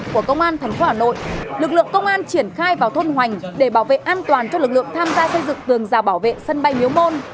của công an thành phố hà nội lực lượng công an triển khai vào thôn hoành để bảo vệ an toàn cho lực lượng tham gia xây dựng tường rào bảo vệ sân bay miếu môn